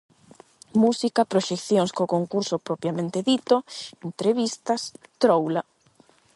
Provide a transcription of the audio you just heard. Música, proxeccións co concurso propiamente dito, entrevistas, troula...